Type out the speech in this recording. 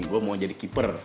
gue mau jadi keeper